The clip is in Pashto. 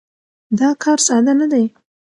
دا کار ساده نه دی.